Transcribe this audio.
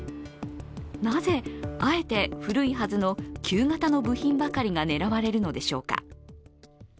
なぜ、あえて、古いはずの旧型の部品ばかりが狙われるのでしょうか。